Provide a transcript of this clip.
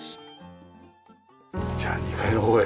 じゃあ２階の方へ。